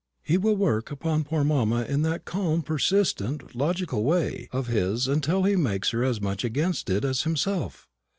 "He will work upon poor mamma in that calm, persistent, logical way of his till he makes her as much against it as himself."